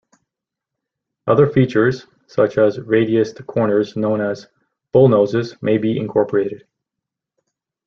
Other features, such as radiused corners known as "bullnoses" may be incorporated.